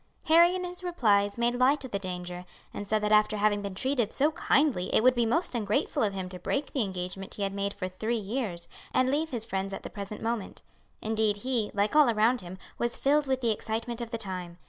Harry in his replies made light of the danger, and said that after having been treated so kindly it would be most ungrateful of him to break the engagement he had made for three years, and leave his friends at the present moment. Indeed, he, like all around him, was filled with the excitement of the time.